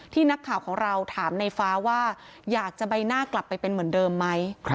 นักข่าวของเราถามในฟ้าว่าอยากจะใบหน้ากลับไปเป็นเหมือนเดิมไหม